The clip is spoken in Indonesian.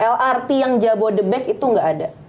lrt yang jabodebek itu nggak ada